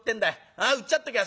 ああうっちゃっときゃ